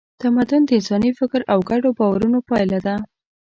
تمدن د انساني فکر او ګډو باورونو پایله ده.